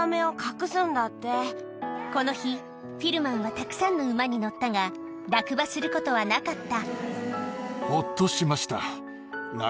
この日フィルマンはたくさんの馬に乗ったが落馬することはなかった